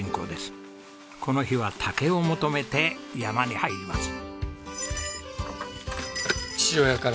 この日は竹を求めて山に入ります。